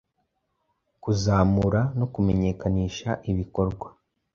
kuzamura no kumenyekanisha ibikorwa